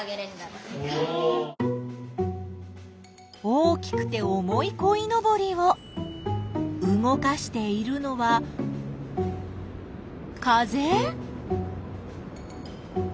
大きくて重いこいのぼりを動かしているのは風？